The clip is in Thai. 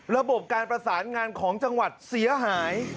ระบบการประสานงานของจังหวัดเสียหาย